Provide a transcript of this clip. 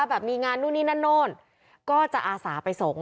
แบบมีงานนู่นนี่นั่นนู่นก็จะอาสาไปส่ง